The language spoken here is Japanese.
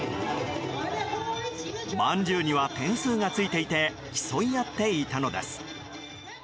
まんじゅうには点数がついていて競い合っていたのです。